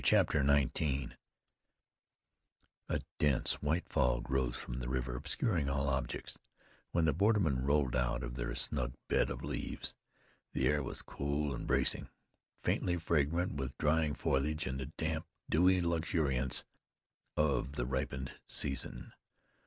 CHAPTER XIX A dense white fog rose from the river, obscuring all objects, when the bordermen rolled out of their snug bed of leaves. The air was cool and bracing, faintly fragrant with dying foliage and the damp, dewy luxuriance of the ripened season.